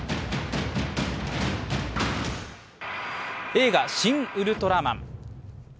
映画「シン・ウルトラマン」。